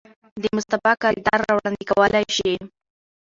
د مصطفى کردار را وړاندې کولے شي.